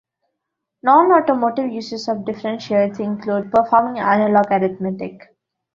Non-automotive uses of differentials include performing analog arithmetic.